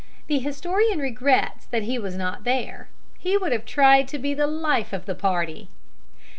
The historian regrets that he was not there; he would have tried to be the life of the party.